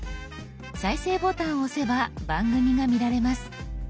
再生ボタンを押せば番組が見られます。